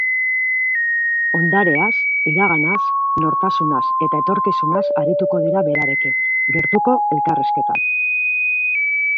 Ondareaz, iraganaz, nortasunaz eta etorkizunaz arituko dira berarekin, gertuko elkarrizketan.